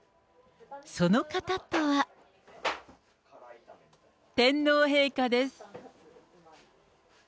その方とは、天皇陛下です。